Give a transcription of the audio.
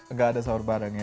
nggak ada sahur bareng ya